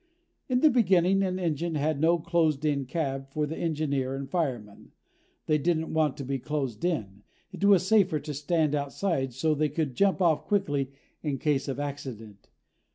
In the beginning, an engine had no closed in cab for the engineer and fireman. They didn't want to be closed in. It was safer to stand outside so they could jump off quickly in case of accident.